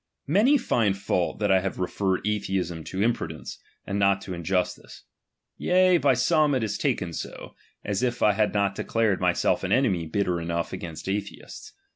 ^ Many find fault that I have referred atheism to impru deuce, and not to in justice ; yea by aome it is taken so, as if I had not declared myself an enemy bitter enough againat alheisls.